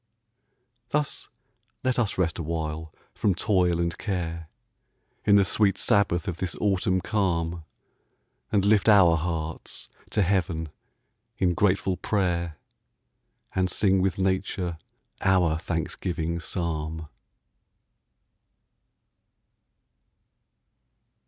Thus let us rest awhile from toil and care, In the sweet sabbath of this autumn calm, And lift our hearts to heaven in grateful prayer, And sing with nature our thanksgiving psalm.